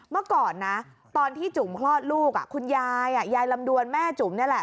เมื่อก่อนนะตอนที่จุ๋มคลอดลูกคุณยายยายลำดวนแม่จุ๋มนี่แหละ